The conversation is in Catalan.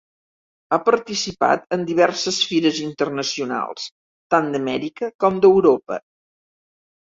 Ha participat en diverses fires internacionals, tant d'Amèrica com d'Europa.